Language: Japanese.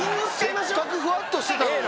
せっかくふわっとしてたのに。